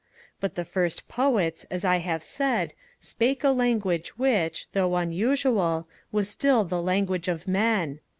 But the first Poets, as I have said, spake a language which, though unusual, was still the language of men.